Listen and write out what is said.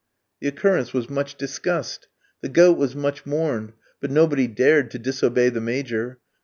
The occurrence was much discussed; the goat was much mourned; but nobody dared to disobey the Major.